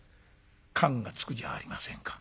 燗がつくじゃありませんか。